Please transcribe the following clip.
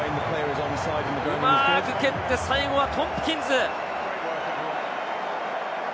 うまく蹴って、最後はトンプキンズ。